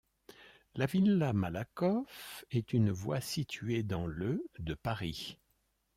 La villa Malakoff est une voie située dans le de Paris.